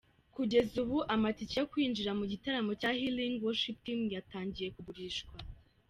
Kugeza ubu amatike yo kwinjira mu gitaramo cya Healing worship team yatangiye kugurishwa.